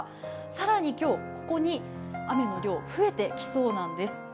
更に今日、ここに雨の量増えてきそうなんです。